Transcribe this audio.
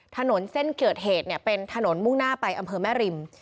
ถนนเส้นเกิดเหตุเนี่ยเป็นถนนมุ่งหน้าไปอำเภอแม่ริม